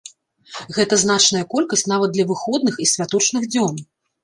Гэта значная колькасць нават для выходных і святочных дзён.